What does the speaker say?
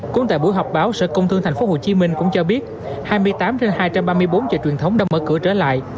cũng tại buổi họp báo sở công thương tp hcm cũng cho biết hai mươi tám trên hai trăm ba mươi bốn chợ truyền thống đã mở cửa trở lại